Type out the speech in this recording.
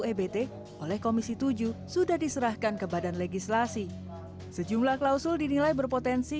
ebt oleh komisi tujuh sudah diserahkan ke badan legislasi sejumlah klausul dinilai berpotensi